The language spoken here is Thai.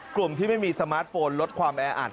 กลุ่มที่ไม่มีสมาร์ทโฟนลดความแออัด